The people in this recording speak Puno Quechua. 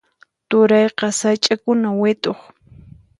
Turayqa sach'akuna wit'uq.